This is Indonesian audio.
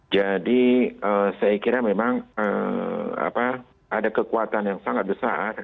jadi saya kira memang ada kekuatan yang sangat besar